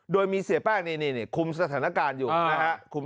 โดยมีเสียแป้งนี่คุมสถานการณ์อยู่นะครับ